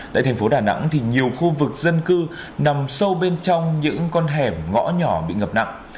tại thành phố đà nẵng thì nhiều khu vực dân cư nằm sâu bên trong những con hẻm ngõ nhỏ bị ngập nặng